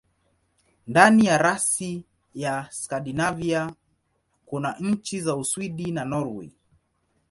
Ndani ya rasi ya Skandinavia kuna nchi za Uswidi na Norwei.